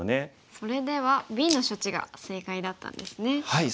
それではＢの処置が正解だったんですね。